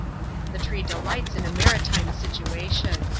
The tree delights in a maritime situation.